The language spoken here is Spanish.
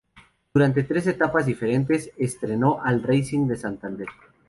Durante tres etapas diferentes entrenó al Racing de Santander.